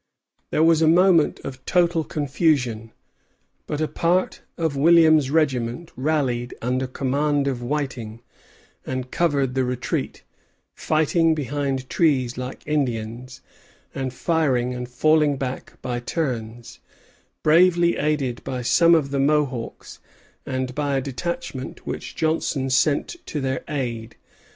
There was a moment of total confusion; but a part of Williams's regiment rallied under command of Whiting, and covered the retreat, fighting behind trees like Indians, and firing and falling back by turns, bravely aided by some of the Mohawks and by a detachment which Johnson sent to their aid.